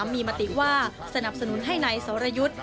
มีมติว่าสนับสนุนให้นายสรยุทธ์